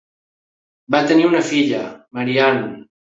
Van tenir una filla: Marie-Anne.